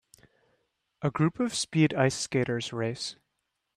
A group of speed ice skaters race.